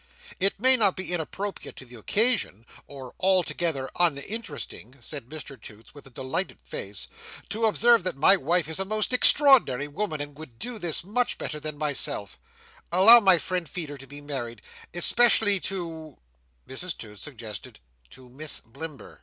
"It may not be inappropriate to the occasion, or altogether uninteresting," said Mr Toots with a delighted face, "to observe that my wife is a most extraordinary woman, and would do this much better than myself—allow my friend Feeder to be married—especially to—" Mrs Toots suggested "to Miss Blimber."